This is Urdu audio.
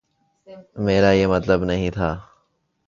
میرا یہ مطلب نہیں تھا۔